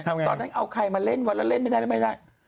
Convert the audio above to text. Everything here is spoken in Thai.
ตอนนั้นเอาไข่มาเล่นวันล่ะเล่นไปได้ถึงไม่ได้